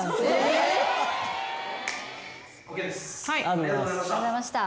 ありがとうございます。